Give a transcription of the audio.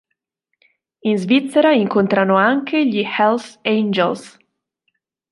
In Svizzera incontrano anche gli Hells Angels.